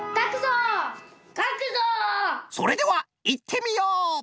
それではいってみよう！